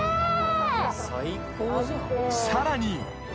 ［さらに］